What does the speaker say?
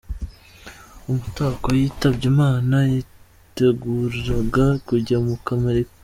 Umutako yitabye Imana yiteguraga kujya muri Amerika.